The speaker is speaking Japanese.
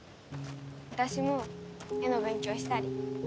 私も絵の勉強したり。